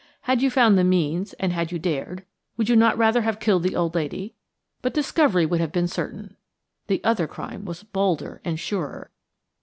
Had you found the means, and had you dared, would you not rather have killed the old lady? But discovery would have been certain. The other crime was bolder and surer.